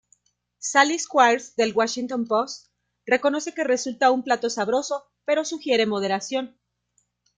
Sally Squires del "Washington Post" reconoce que resulta un plato sabroso, pero sugiere moderación.